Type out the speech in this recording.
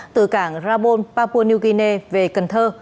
từ cảng rabon papua new guinea về cần thơ